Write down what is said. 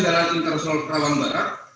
jalan internasional perawang barat